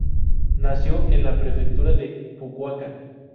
Nació en la prefectura de Fukuoka.